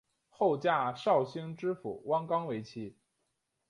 后嫁绍兴知府汪纲为妻。